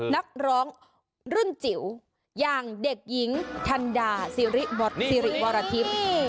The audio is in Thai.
นักร้องรุ่นจิ๋วอย่างเด็กหญิงทันดาสิริวรทิพย์